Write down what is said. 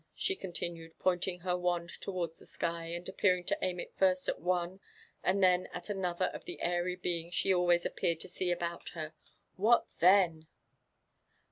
" she continued, pointing her wand to wards the sky, and appearing to aim it first at one and then atanottiero' the airy beings she always appeared to see about her, —" What then?